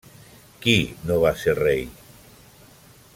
Qui no va ser rei?